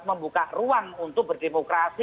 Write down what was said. membuka ruang untuk berdemokrasi